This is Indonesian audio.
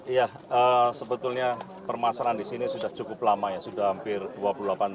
ya sebetulnya permasalahan di sini sudah cukup lama ya sudah hampir dua puluh delapan jam